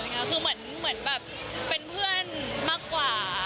คือเหมือนแบบเป็นเพื่อนมากกว่า